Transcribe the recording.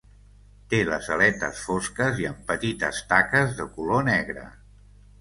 Té les aletes fosques i amb petites taques de color negre.